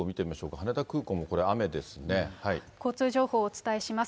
羽田空港もこれ、交通情報をお伝えします。